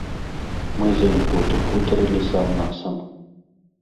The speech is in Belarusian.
Мы з ім потым гутарылі сам-насам.